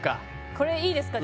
これいいですか？